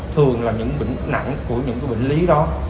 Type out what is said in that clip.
thường là những bệnh nặng của những bệnh lý đó